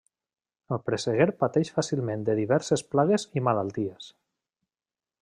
El presseguer pateix fàcilment de diverses plagues i malalties.